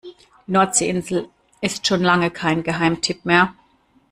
Die Nordseeinsel ist schon lange kein Geheimtipp mehr.